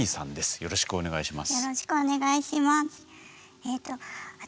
よろしくお願いします。